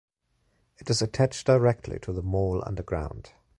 It is attached directly to the mall underground.